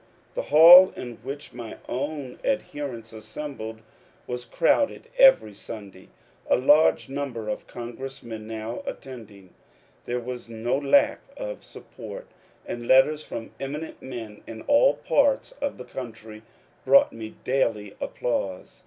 The hall in which my own ad herents assembled was crowded every Sunday, a large num ber of congressmen now attending; there was no lack of support ; and letters from eminent men in all parts of the country brought me daily applause.